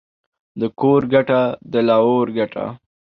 د کور گټه ، دلاهور گټه.